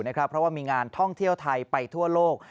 เพราะว่ามีงานท่องเที่ยวไทยไปทั่วโลก